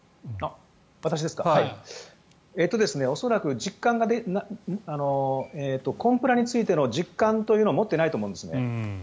恐らくコンプラについての実感というのを持っていないと思うんですね。